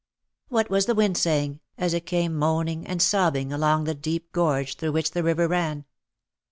What was the wind saying, as it came moaning and sobbing along the deep gorge through which the river ran